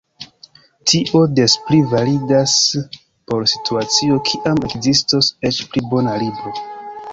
Tio des pli validas por situacio kiam ekzistos eĉ pli bona libro.